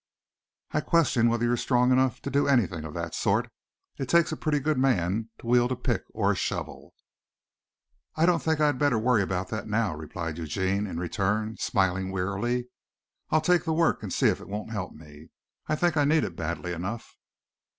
"I question whether you're strong enough to do anything of that sort. It takes a pretty good man to wield a pick or a shovel." "I don't think I had better worry about that now," replied Eugene in return, smiling wearily. "I'll take the work and see if it won't help me. I think I need it badly enough."